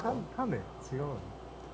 違う。